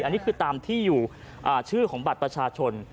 อันนี้คือตามที่อยู่ชื่อของบัตรประชาชน